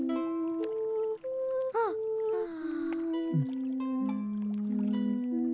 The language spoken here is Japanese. あっ！ああ。